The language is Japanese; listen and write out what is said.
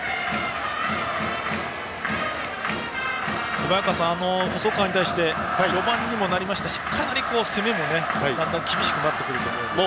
小早川さん、細川に対して４番にもなりましたししっかりと攻めもだんだん厳しくなっていくと思いますが。